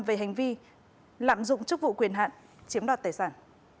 về hành vi lạm dụng chức vụ quyền hạn chiếm đoạt tài sản